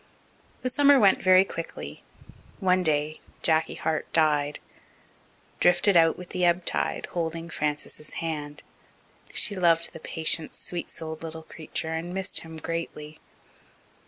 The summer went very quickly. One day Jacky Hart died drifted out with the ebb tide, holding Frances's hand. She had loved the patient, sweet souled little creature and missed him greatly.